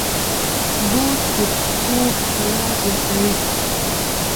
بوټ د پښو ښکلا زیاتوي.